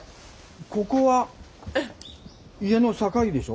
ここは家の境でしょ？